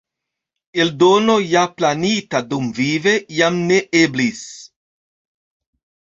Eldono ja planita dumvive jam ne eblis.